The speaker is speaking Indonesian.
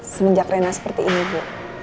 semenjak rena seperti ini bu